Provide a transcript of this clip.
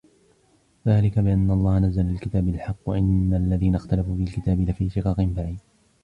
ذَلِكَ بِأَنَّ اللَّهَ نَزَّلَ الْكِتَابَ بِالْحَقِّ وَإِنَّ الَّذِينَ اخْتَلَفُوا فِي الْكِتَابِ لَفِي شِقَاقٍ بَعِيدٍ